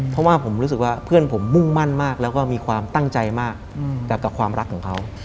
เพราะว่าผมรู้สึกว่าเพื่อนผมมุ่งมั่นมากแล้วก็มีความตั้งใจมากกับความรักของเขา